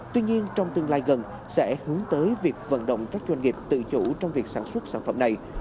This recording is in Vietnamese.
tuy nhiên trong tương lai gần sẽ hướng tới việc vận động các doanh nghiệp tự chủ trong việc sản xuất sản phẩm này